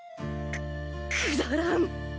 くくだらん！